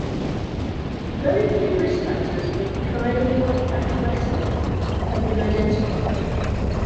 Very few risk factors for choanal atresia have been identified.